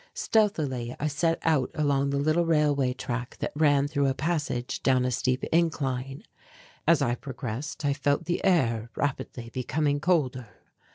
Stealthily I set out along the little railway track that ran through a passage down a steep incline. As I progressed I felt the air rapidly becoming colder.